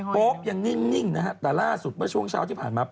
ป๊อปยังนิ่งนะครับแต่ล่าสุดช่วงเช้าที่ผ่านมา